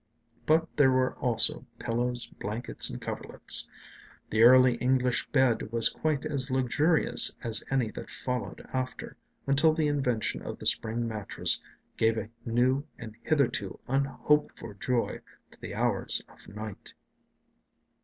But there were also pillows, blankets, and coverlets. The early English bed was quite as luxurious as any that followed after, until the invention of the spring mattress gave a new and hitherto unhoped for joy to the hours of night.